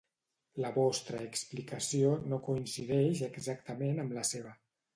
La vostra explicació no coincideix exactament amb la seva.